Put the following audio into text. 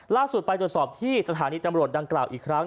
ล่าสุดไปตรวจสอบที่สถานีตำรวจดังกล่าวอีกครั้ง